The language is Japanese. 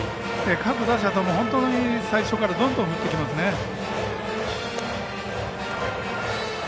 各打者とも最初からどんどん打っていきますね。